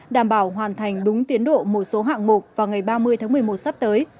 đảm bảo hoàn thành đúng tiến độ một số hạng mục vào ngày ba mươi tháng một mươi một sắp tới